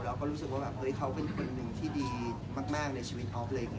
เราก็รู้สึกว่าเขาเป็นคนหนึ่งที่ดีมากในชีวิตออฟเลย